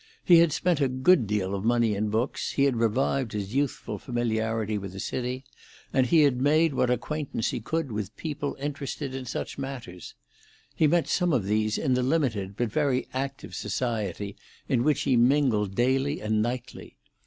He had spent a good deal of money in books, he had revived his youthful familiarity with the city, and he had made what acquaintance he could with people interested in such matters. He met some of these in the limited but very active society in which he mingled daily and nightly.